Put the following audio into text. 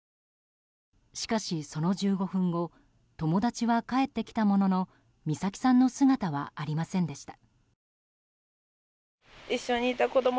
しかし、その１５分後友達は帰ってきたものの美咲さんの姿はありませんでした。